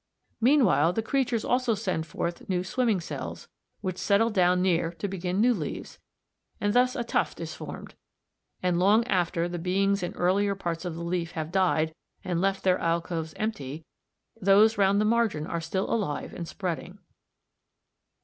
Meanwhile the creatures also send forth new swimming cells, which settle down near to begin new leaves, and thus a tuft is formed; and long after the beings in earlier parts of the leaf have died and left their alcoves empty, those round the margin are still alive and spreading.